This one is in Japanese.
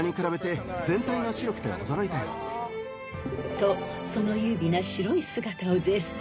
［とその優美な白い姿を絶賛］